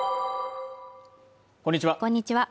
こんにちは